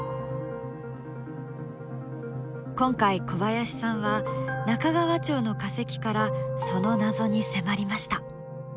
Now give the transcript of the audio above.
今回小林さんは中川町の化石からその謎に迫りました。